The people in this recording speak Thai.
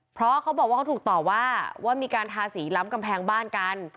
เพราะเขาบอกว่าเขาถูกต่อว่าว่ามีการทาสีล้ำกำแพงบ้านกัน